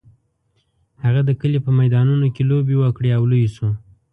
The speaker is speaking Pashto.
هغه د کلي په میدانونو کې لوبې وکړې او لوی شو.